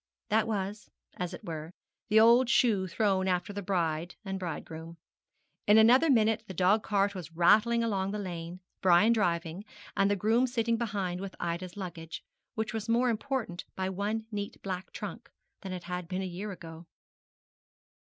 This was, as it were, the old shoe thrown after the bride and bridegroom. In another minute the dog cart was rattling along the lane, Brian driving, and the groom sitting behind with Ida's luggage, which was more important by one neat black trunk than it had been a year ago.